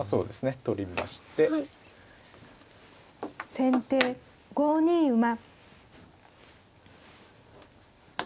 先手５二馬。